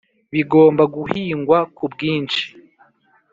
bigomba guhingwa ku bwinshi,